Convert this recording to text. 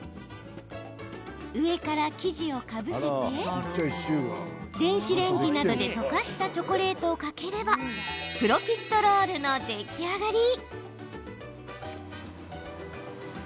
上から生地をかぶせて電子レンジなどで溶かしたチョコレートをかければプロフィットロールの出来上がり。